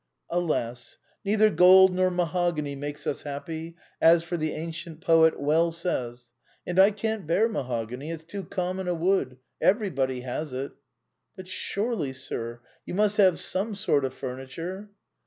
" Alas ! neither gold nor mahogany make us happy, as the ancient poet well says. And I can't bear mahogany: it's too common a word; everybody has it." " But surely, sir, you have some sort of furniture."